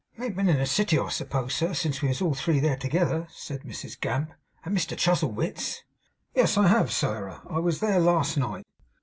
'You ain't been in the City, I suppose, sir, since we was all three there together,' said Mrs Gamp, 'at Mr Chuzzlewit's?' 'Yes, I have, Sairah. I was there last night.